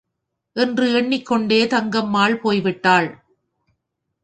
என்று எண்ணிக்கொண்டே தங்கம்மாள் போய்விட்டாள்.